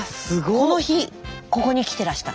この日ここに来てらした。